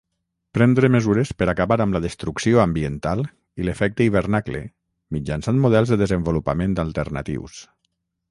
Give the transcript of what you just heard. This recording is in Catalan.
Prendre mesures per acabar amb la destrucció ambiental i l'efecte hivernacle mitjançant models de desenvolupament alternatius.